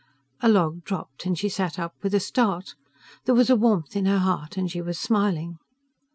A log dropped, and she sat up with a start. There was a warmth in her heart, and she was smiling.